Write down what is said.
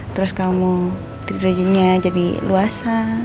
terus kamu rejimnya jadi luasa